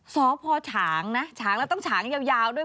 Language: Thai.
สพฉางนะฉางแล้วต้องฉางยาวด้วย